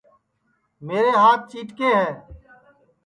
میرے ہات چِیٹکے ہے